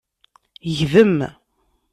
Gdem.